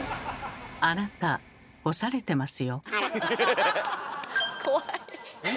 あなた干されてますよ。